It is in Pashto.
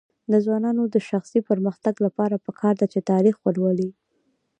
د ځوانانو د شخصي پرمختګ لپاره پکار ده چې تاریخ ولولي.